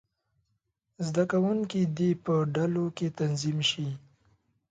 زده کوونکي دې په ډلو کې تنظیم شي.